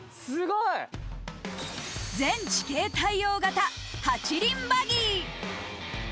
すごい！全地形対応型８輪バギー。